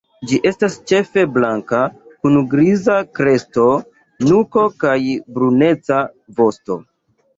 Ĝi estas ĉefe blanka, kun griza kresto, nuko kaj bruneca vosto.